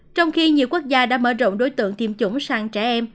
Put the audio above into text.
trong khi nhiều quốc gia đã mở rộng đối tượng tiêm chủng sang trẻ em